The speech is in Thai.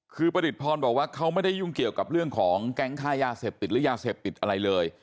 คือประดิษฐพรบอกว่าเขาไม่ได้ยุ่งเกี่ยวกับเรื่องของแก๊งค่ายาเสพติดหรือยาเสพติดอะไรเลย